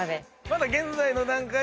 まだ現在の段階。